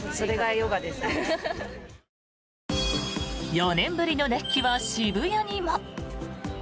４年ぶりの熱気は渋谷にも。